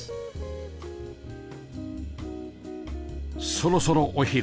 そろそろお昼